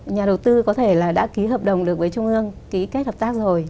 nhà đầu tư có thể là đã ký hợp đồng được với trung ương ký kết hợp tác rồi